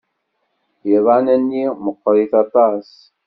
Iḍan-nni meɣɣrit aṭas.